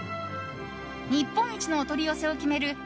日本一のお取り寄せを決める